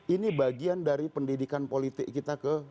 ini bagian dari pendidikan politik kita ke